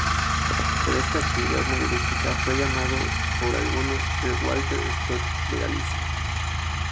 Por esta actividad novelística fue llamado por algunos "el Walter Scott de Galicia".